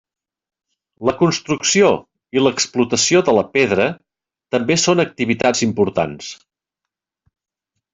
La construcció i l'explotació de la pedra també són activitats importants.